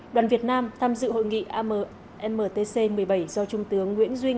đoàn việt nam tham dự hội nghị ammtc một mươi bảy do trung tướng nguyễn văn quang